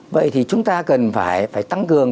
vậy thì chúng ta cần phải tăng cường